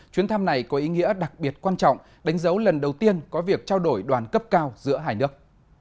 chuyến thăm này có ý nghĩa đặc biệt quan trọng đánh dấu lần đầu tiên có việc trao đổi đoàn cấp cao giữa hai nước